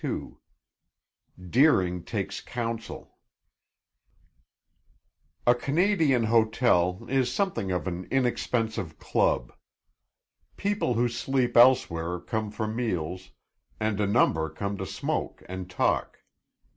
XXII DEERING TAKES COUNSEL A Canadian hotel is something of an inexpensive club. People who sleep elsewhere come for meals, and a number come to smoke and talk.